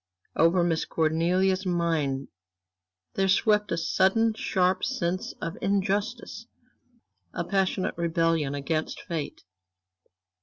Over Miss Cornelia's mind there swept a sudden, sharp sense of injustice, a passionate rebellion against fate.